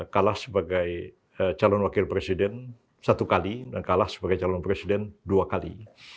kalah sebagai calon wakil presiden satu kali dan kalah sebagai calon presiden dua kali